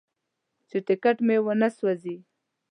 چې ټکټ مې ونه سوځوي.